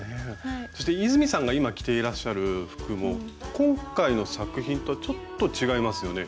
そして泉さんが今着ていらっしゃる服も今回の作品とちょっと違いますよね？